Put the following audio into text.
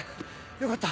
よかった。